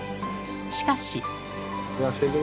しかし。